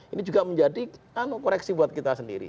ini juga menjadi koreksi buat kita sendiri